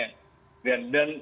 dan kalau anti hape anti kesehatan